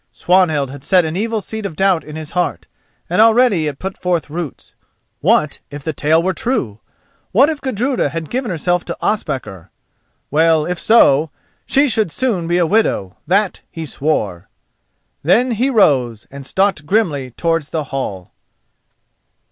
Swanhild had set an evil seed of doubt in his heart, and already it put forth roots. What if the tale were true? What if Gudruda had given herself to Ospakar? Well, if so—she should soon be a widow, that he swore. Then he rose, and stalked grimly towards the hall.